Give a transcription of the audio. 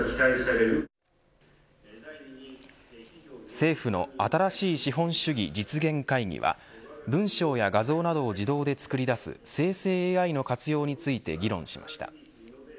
政府の新しい資本主義実現会議は文章や画像などを自動で作り出す生成ＡＩの活用について議論しました。